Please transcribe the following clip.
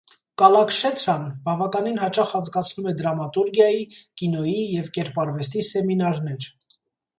Կալակշեթրան բավականին հաճախ անցկացնում է դրամատուրգիայի, կինոյի և կերպարվեստի սեմինարներ։